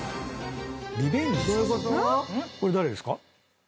これ誰ですか？